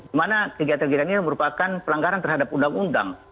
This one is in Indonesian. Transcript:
dimana kegiatan kegiatannya merupakan pelanggaran terhadap undang undang